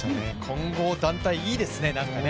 混合団体いいですねなんかね。